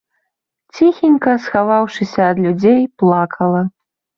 Ціхенька, схаваўшыся ад людзей, плакала.